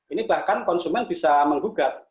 ini bahkan konsumen bisa menggugat